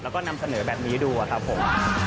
แล้วก็นำเสนอแบบนี้ดูครับผม